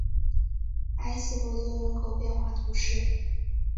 埃斯珀泽人口变化图示